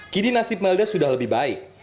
kini nasib melda sudah lebih baik